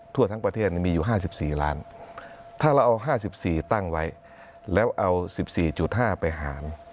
ทั่วทั้งประเทศมีอยู่๕๔ล้านถ้าเราเอา๕๔ตั้งไว้แล้วเอา๑๔๕ไปหาร